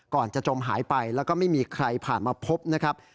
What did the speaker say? ก่อนจะจมหายไปแล้วก็ไม่มีใครผ่านมาพบนะครับ